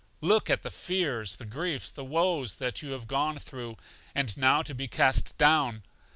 Look at the fears, the griefs, the woes that you have gone through. And now to be cast down!